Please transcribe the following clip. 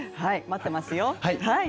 待ってますよ。